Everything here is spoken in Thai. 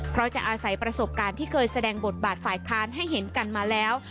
เพราะจะอาศัยประสบการณ์ที่เคยแสดงบทบาทฝ่ายค้านให้เห็นกันมาแล้ว